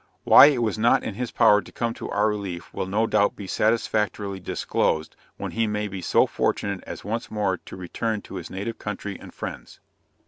Why it was not in his power to come to our relief will no doubt be satisfactorily disclosed when he may be so fortunate as once more to return to his native country and friends.